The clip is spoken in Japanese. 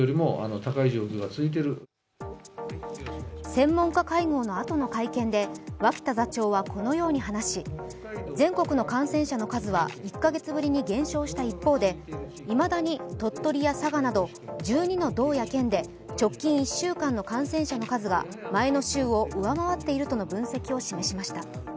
専門家会合のあとの会見で脇田座長は、このように話し全国の感染者の数は１カ月ぶりに減少した一方で、いまだに鳥取や佐賀など１２の道や県で直近１週間の感染者の数が前の週を上回っているとの分析を示しました。